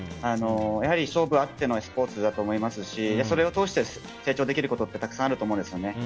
やはり勝負あってのスポーツだと思いますしそれを通して成長できることがたくさんあると思うんですよね。